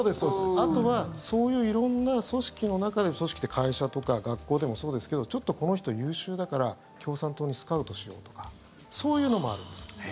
あとはそういう色んな組織の中で学校とか会社でもそうですけどちょっとこの人、優秀だから共産党にスカウトしようとかそういうのもあるんです。